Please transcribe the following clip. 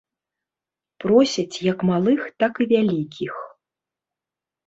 Просяць як малых, так і вялікіх.